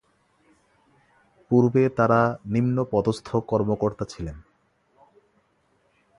পূর্বে তারা নিম্ন পদস্থ কর্মকর্তা ছিলেন।